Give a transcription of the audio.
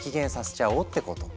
ちゃおうってこと。